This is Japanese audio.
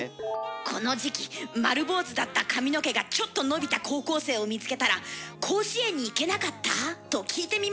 この時期丸坊主だった髪の毛がちょっと伸びた高校生を見つけたら「甲子園に行けなかった？」と聞いてみましょう。